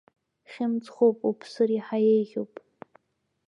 Хьымӡӷуп, уԥсыр еиҳа еиӷьуп.